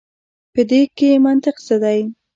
په دې کښي منطق څه دی.